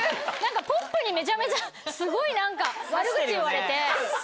ポップにめちゃめちゃすごい何か悪口言われて。